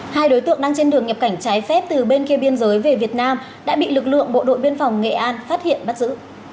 hai đối tượng đang trên đường nhập cảnh trái phép từ bên kia biên giới về việt nam đã bị lực lượng bộ đội biên phòng nghệ an phát hiện bắt giữ